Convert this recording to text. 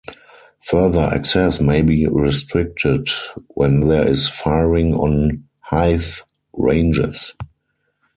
Further access may be restricted when there is firing on Hythe Ranges.